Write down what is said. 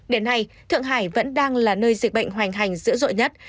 đến nay thượng hải vẫn đang là nơi dịch bệnh hoành hành dữ dội nhất